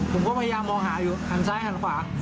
ผมก็พยายามมองหาอยู่หันซ้ายหันขวา